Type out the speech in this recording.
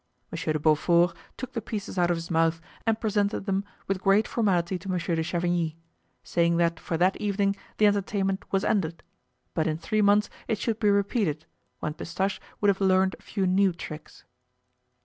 Monsieur de Beaufort took the pieces out of his mouth and presented them with great formality to Monsieur de Chavigny, saying that for that evening the entertainment was ended, but in three months it should be repeated, when Pistache would have learned a few new tricks.